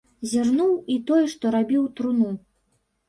Зірнуў і той, што рабіў труну.